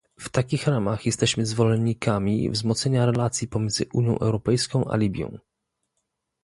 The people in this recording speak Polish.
W takich ramach jesteśmy zwolennikami wzmocnienia relacji pomiędzy Unią Europejską a Libią